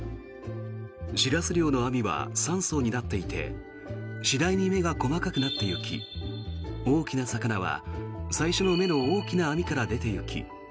シラス漁の網は３層になっていて次第に目が細かくなっていき大きな魚は最初の目の大きな網から出ていき